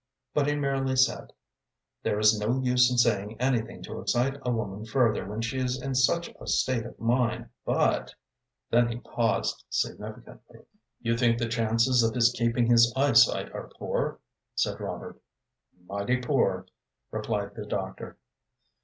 But he merely said: "There is no use in saying anything to excite a woman further when she is in such a state of mind, but " Then he paused significantly. "You think the chances of his keeping his eyesight are poor?" said Robert. "Mighty poor," replied the doctor.